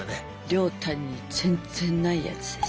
亮太に全然ないやつです。